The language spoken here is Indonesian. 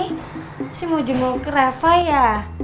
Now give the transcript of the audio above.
pasti mau jenguk ke reva ya